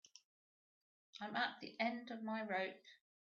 I'm at the end of my rope.